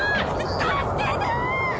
助けてー！